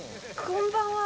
こんばんは。